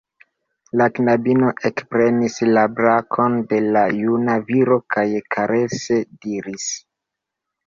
La knabino ekprenis la brakon de la juna viro kaj karese diris: